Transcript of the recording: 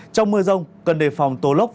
trong mưa rông cần đề phòng tố lốc